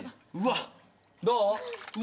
どう？